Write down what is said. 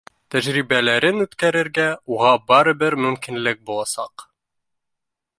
Тәжрибәләрен үткәрергә уға барыбер мөмкинлек буласаҡ